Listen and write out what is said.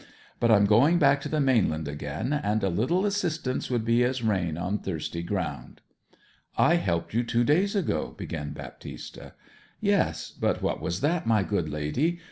But I'm going back to the mainland again, and a little assistance would be as rain on thirsty ground.' 'I helped you two days ago,' began Baptista. 'Yes but what was that, my good lady?